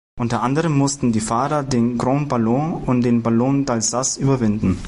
Unter anderem mussten die Fahrer den Grand Ballon und den Ballon d'Alsace überwinden.